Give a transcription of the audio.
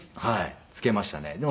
はい付けましたね。